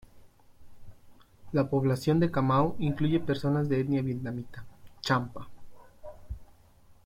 La población de Ca Mau incluye personas de etnia vietnamita, champa.